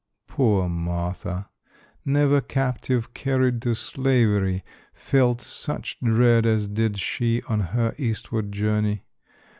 Poor Martha! Never captive carried to slavery felt such dread as did she on her eastward journey.